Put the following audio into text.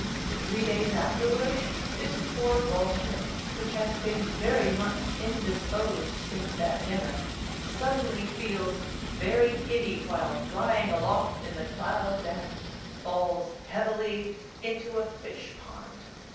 Three days afterwards, this poor vulture, which has been very much indisposed since that dinner, suddenly feels very giddy while flying aloft in the clouds, and falls heavily into a fish pond.